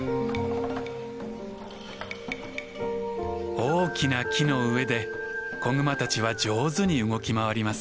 大きな木の上で子グマたちは上手に動き回ります。